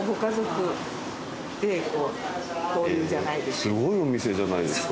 すごいお店じゃないですか。